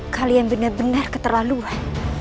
kalian benar benar keterlaluan